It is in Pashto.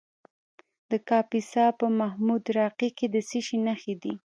د کاپیسا په محمود راقي کې د څه شي نښې دي؟